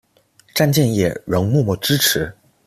詹建业仍默默支持。